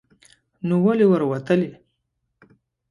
نو ولې ور وتلی ؟